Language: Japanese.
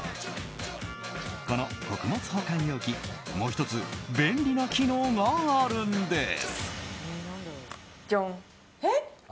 この穀物保管容器、もう１つ便利な機能があるんです。